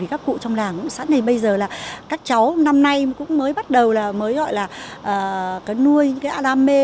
các cụ trong làng cũng sẵn này bây giờ là các cháu năm nay cũng mới bắt đầu là mới gọi là cái nuôi những cái a đam mê